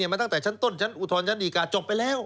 มาตั้งแต่ชั้นต้นชั้นอุทธรณชั้นดีการจบไปแล้ว